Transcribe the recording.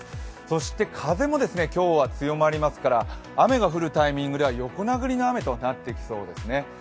そして風も今日は強まりますから雨が降るタイミングでは横殴りの雨となってきそうですね。